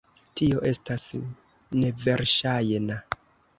Tio estas neverŝajna.